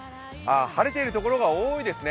晴れているところが多いですね。